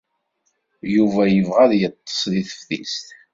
Yuba yebɣa ad yeḍḍes deg teftist.